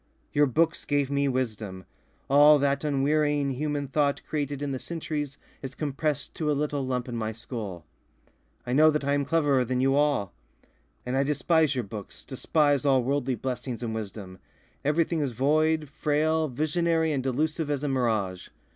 "Your books gave me wisdom. All that unwearying human thought created in the centuries is compressed to a little lump in my skull. I know that I am cleverer than you all. "And I despise your books, despise all worldly blessings and wisdom. Everything is void, frail, visionary and delusive as a mirage.